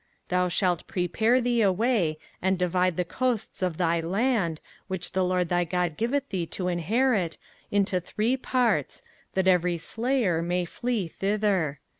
05:019:003 Thou shalt prepare thee a way, and divide the coasts of thy land, which the LORD thy God giveth thee to inherit, into three parts, that every slayer may flee thither.